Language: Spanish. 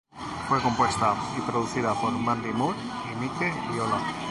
Fue compuesta y producida por Mandy Moore y Mike Viola.